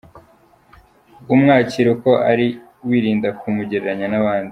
Umwakira uko ari wirinda kumugereranya n’abandi.